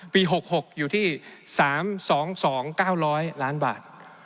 ปี๖๖อยู่ที่๓๒๒๙๐๐ล้านบาท